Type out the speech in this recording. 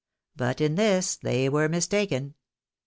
But in this they were mistaken.